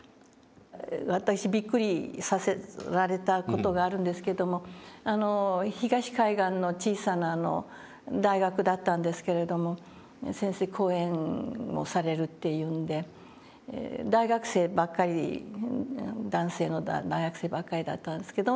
私びっくりさせられた事があるんですけども東海岸の小さな大学だったんですけれども先生講演をされるというんで大学生ばっかり男性の大学生ばっかりだったんですけどもね